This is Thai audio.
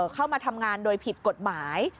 เข้ามาทำงานโดยผิดกฎหมาย